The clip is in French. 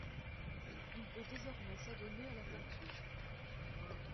Il peut désormais s’adonner à la peinture.